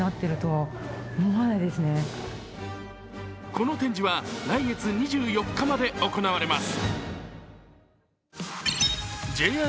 この展示は来月２４日まで行われます。